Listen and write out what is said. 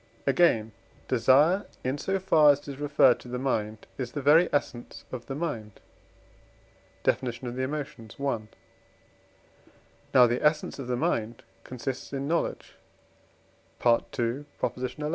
Again, desire, in so far as it is referred to the mind, is the very essence of the mind (Def. of the Emotions, i.); now the essence of the mind consists in knowledge (II. xi.)